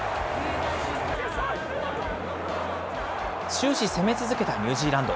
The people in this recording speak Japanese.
終始攻め続けたニュージーランド。